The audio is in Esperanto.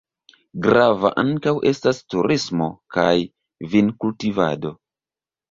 Grava ankaŭ estas turismo kaj vinkultivado.